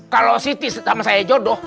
kalau siti sama saya jodoh